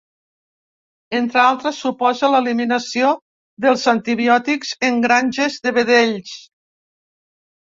Entre altres, suposa l’eliminació dels antibiòtics en granges de vedells.